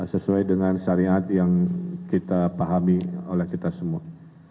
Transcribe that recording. sesuai dengan syariat yang kita pahami oleh kita semua